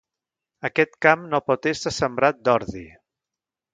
Aquest camp no pot ésser sembrat d'ordi.